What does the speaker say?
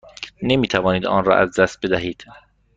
نمی توانید آن را از دست بدهید.